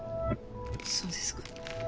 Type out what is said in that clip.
そうですか。